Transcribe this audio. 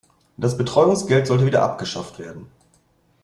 Das Betreuungsgeld sollte wieder abgeschafft werden.